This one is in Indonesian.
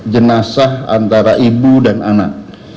jenazah antara ibu dan anak